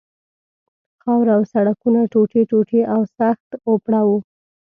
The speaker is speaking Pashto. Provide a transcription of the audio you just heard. خاوره او سړکونه ټوټې ټوټې او سخت اوپړه وو.